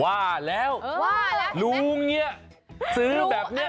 ว่าแล้วรู้เงี้ยซื้อแบบเนี้ย